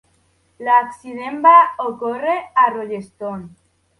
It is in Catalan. L'accident va ocórrer a Rolleston.